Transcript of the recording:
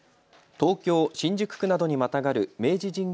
東京新宿区などにまたがる明治神宮